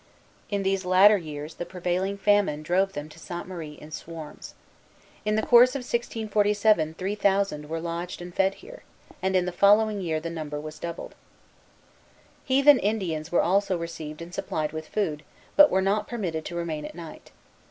In these latter years the prevailing famine drove them to Sainte Marie in swarms. In the course of 1647 three thousand were lodged and fed here; and in the following year the number was doubled. Heathen Indians were also received and supplied with food, but were not permitted to remain at night.